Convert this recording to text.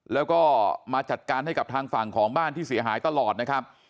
แล้วก็มาจัดการให้กับทางฝั่งของบ้านที่เสียหายตลอดนะครับ